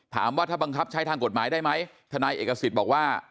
ถามว่าถ้าบังคับใช้ทางกฎหมายได้ไหมทนายเอกสิทธิ์บอกว่า